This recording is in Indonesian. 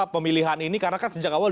pemilihan ini karena kan sejak awal